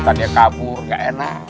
tadiakabur gak enak